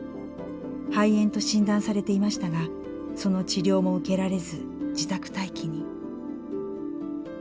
肺炎と診断されていましたがその治療も受けられず自宅待機に。